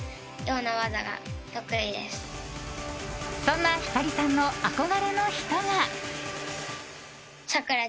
そんな晃さんの憧れの人が。